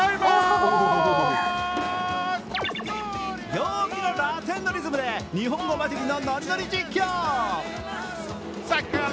陽気なラテンのリズムで日本語混じりのノリノリ実況。